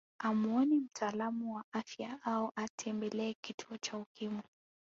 Amuone mtaalamu wa afya au atembelee kituo cha Ukimwi